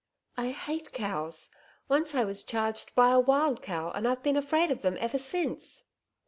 'I hate cows. Once I was charged by a wild cow and I've been afraid of them ever since.'